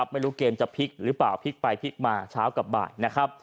ไม่รู้เกมจะพลิกหรือเปล่าพลิกไปพลิกมาเช้ากับบ่ายนะครับ